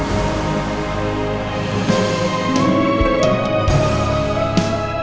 terima kasih tuhan